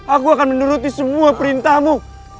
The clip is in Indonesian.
aku akan menuruti semua perintahmu